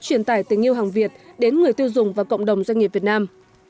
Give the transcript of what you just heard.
truyền tải tình yêu hàng việt đến người tiêu dùng và cộng đồng doanh nghiệp việt nam